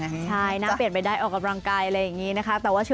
ใช่น่าเปลี่ยนไปได้ออกกำลังกายอะไรอย่างนี้นะคะ